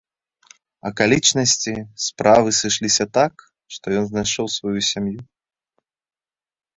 Акалічнасці справы сышліся так, што ён знайшоў сваю сям'ю.